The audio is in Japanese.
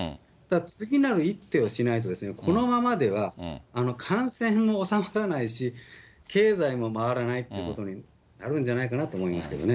次なる一手をしないと、このままでは、感染も収まらないし、経済も回らないということになるんじゃないかなと思いますけどね。